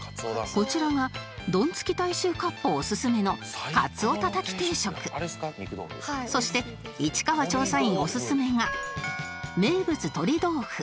こちらがドンツキ大衆割烹おすすめのそして市川調査員おすすめが名物とり豆腐